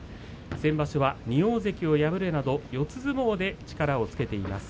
先場所は２大関を破るなど四つ相撲で力をつけています。